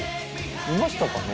いましたかね？